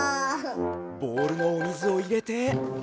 ボールのおみずをいれて。